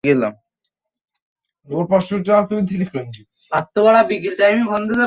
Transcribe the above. মোটরসাইকেলে করে ভাঙাচোরা পালং-কানার বাজার সড়ক দিয়ে প্রতিদিন বিদ্যালয়ে যান তিনি।